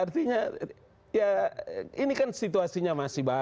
artinya ya ini kan situasinya masih baru ya